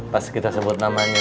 pas kita sebut namanya